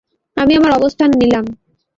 আমি আমার অবস্থান নিলাম।